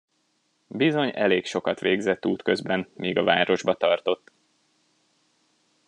Bizony, elég sokat végzett útközben, míg a városba tartott.